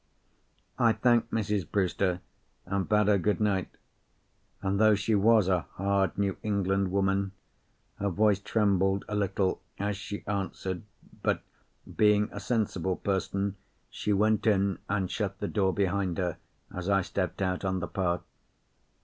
I thanked Mrs. Brewster, and bade her good night; and though she was a hard New England woman, her voice trembled a little as she answered, but being a sensible person, she went in and shut the door behind her as I stepped out on the path.